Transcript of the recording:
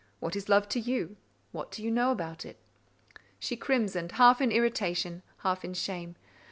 What is love to you? What do you know about it?" She crimsoned, half in irritation, half in shame.